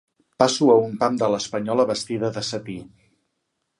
Passo a un pam de l'espanyola vestida de setí.